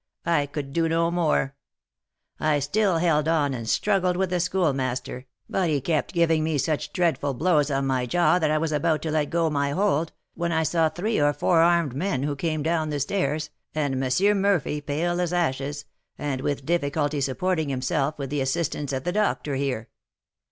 I could do no more; I still held on and struggled with the Schoolmaster, but he kept giving me such dreadful blows on my jaw that I was about to let go my hold, when I saw three or four armed men who came down the stairs, and M. Murphy, pale as ashes, and with difficulty supporting himself with the assistance of the doctor here.